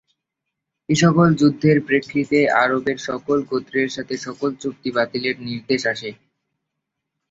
এসকল যুদ্ধের প্রেক্ষিতে আরবের সকল গোত্রের সাথে সকল চুক্তি বাতিলের নির্দেশ আসে।